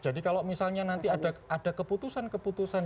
jadi kalau misalnya nanti ada keputusan keputusan